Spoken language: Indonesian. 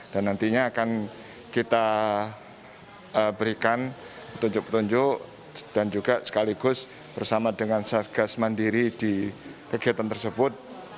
dan nantinya akan kita berikan petunjuk petunjuk dan juga sekaligus bersama dengan satgas mandiri di kegiatan tersebut